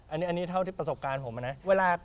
อันนี้เท่าที่ประสบการณ์ผมนะเวลา